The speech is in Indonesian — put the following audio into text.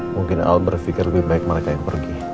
mungkin al berpikir lebih baik mereka yang pergi